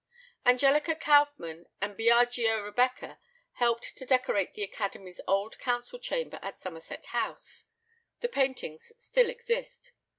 Angelica Kauffmann and Biaggio Rebecca helped to decorate the Academy's old council chamber at Somerset House. The paintings still exist.